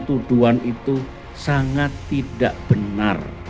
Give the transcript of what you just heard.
tuduhan itu sangat tidak benar